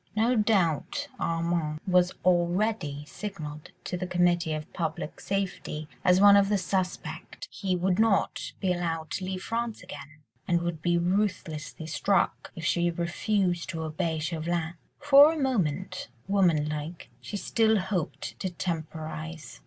No doubt Armand was already signalled to the Committee of Public Safety as one of the "suspect"; he would not be allowed to leave France again, and would be ruthlessly struck, if she refused to obey Chauvelin. For a moment—woman like—she still hoped to temporise.